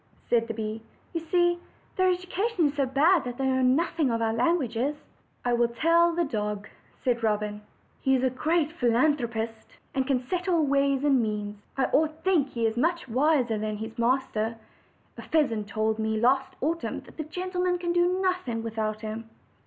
said the bee. "You see, their education is so bad that they know noth ing of our languages." "I will tell the dog," said Robin; "he is a great phi losopher, and can settle ways and means. I oiten think he is much wiser than his master. A pheasant told me last autumn that the gentlemen can do nothing without him."